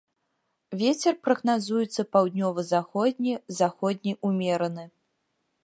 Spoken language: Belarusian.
Вецер прагназуецца паўднёва-заходні, заходні ўмераны.